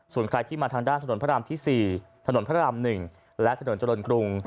ส่วนใครที่มาทางด้านถนนพระรามที่๔ถนนพระราม๑และถนนเจริญกรุง